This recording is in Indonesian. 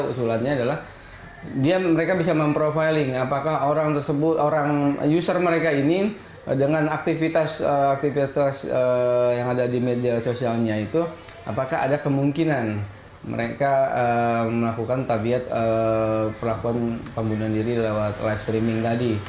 usulannya adalah mereka bisa memprofiling apakah orang tersebut orang user mereka ini dengan aktivitas yang ada di media sosialnya itu apakah ada kemungkinan mereka melakukan tabiat pelakuan pembunuhan diri lewat live streaming tadi